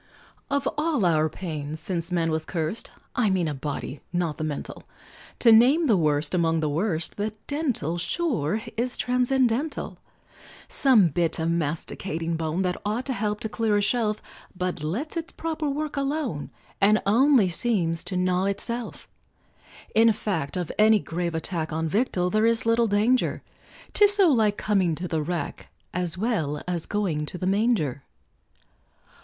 Of all our pains, since man was curst, I mean of body, not the mental, To name the worst, among the worst, The dental sure is transcendental; Some bit of masticating bone, That ought to help to clear a shelf, But lets its proper work alone, And only seems to gnaw itself; In fact, of any grave attack On victual there is little danger, 'Tis so like coming to the rack, As well as going to the manger.